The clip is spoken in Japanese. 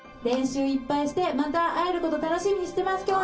練習いっぱいしてまた会えること楽しみにしてます。